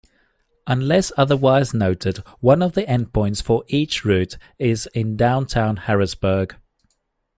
Unless otherwise noted, one of the endpoints for each route is in downtown Harrisburg.